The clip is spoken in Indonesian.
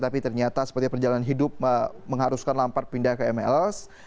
tapi ternyata seperti perjalanan hidup mengharuskan lampar pindah ke mls